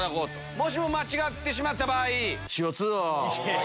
もしも間違ってしまった場合。